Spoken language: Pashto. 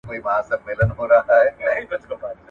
موسیقي کولای سي د زړه درد درمل کړي.